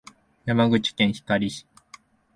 山口県光市